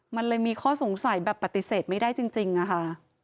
มันเลยมีข้อสงสัยแบบปฏิเสธไม่ได้จริงอะค่ะ